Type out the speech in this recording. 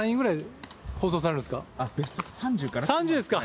３０ですか。